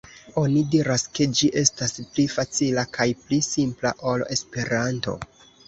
Oni diras, ke ĝi estas pli facila kaj pli simpla ol Esperanto.